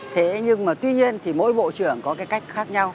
thế nhưng mà tuy nhiên thì mỗi bộ trưởng có cái cách khác nhau